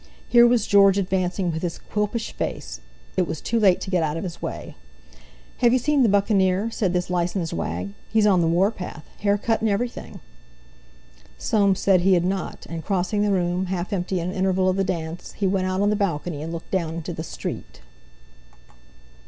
Here was George advancing with his Quilpish face; it was too late to get out of his way. "Have you seen 'The Buccaneer'." said this licensed wag; "he's on the warpath—hair cut and everything!" Soames said he had not, and crossing the room, half empty in an interval of the dance, he went out on the balcony, and looked down into the street.